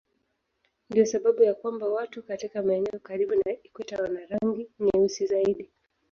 Ndiyo sababu ya kwamba watu katika maeneo karibu na ikweta wana rangi nyeusi zaidi.